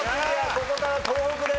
ここから東北です。